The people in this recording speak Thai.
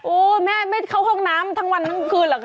แม่ไม่เข้าห้องน้ำทั้งวันทั้งคืนเหรอคะ